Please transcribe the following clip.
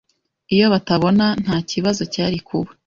Iyo batabona, ntakibazo cyari kuba.